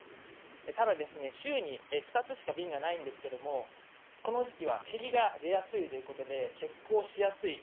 ただ、週に２つしか便がないんですがこの時期は霧が出やすいということで欠航しやすいと。